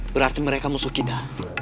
berarti mereka musuh kita